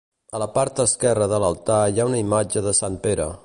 A la part esquerra de l'altar hi ha una imatge de Sant Pere.